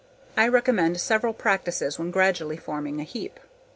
I recommend several practices when gradually forming a heap.